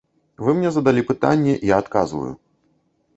Вы мне задалі пытанне, я адказваю.